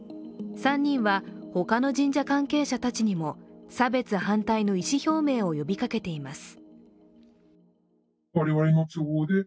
３人は他の神社関係者たちにも差別反対の意思表明を呼びかけています。